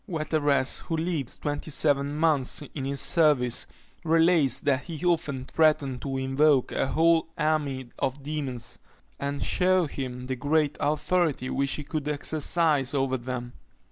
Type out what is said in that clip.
Wetteras, who lived twenty seven months in his service, relates that he often threatened to invoke a whole army of demons, and shew him the great authority which he could exercise over them.